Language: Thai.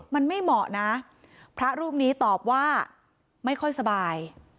มันไม่เหมาะนะพระรูปนี้ตอบว่าไม่ค่อยสบาย